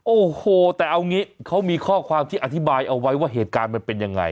โอ้โหแต่เอางี้เขามีข้อความที่อธิบายเอาไว้ว่าเหตุการณ์มันเป็นยังไง